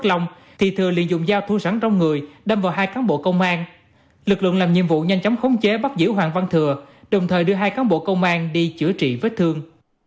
đồng thời đưa hai cán bộ công an đi chữa trị vết thương